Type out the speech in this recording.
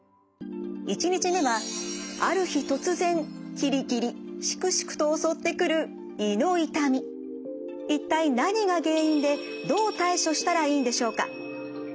１日目はある日突然キリキリシクシクと襲ってくる一体何が原因でどう対処したらいいんでしょうか。